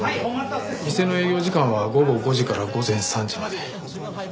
店の営業時間は午後５時から午前３時まで。